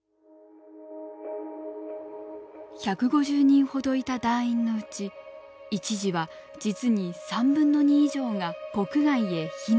１５０人ほどいた団員のうち一時は実に３分の２以上が国外へ避難。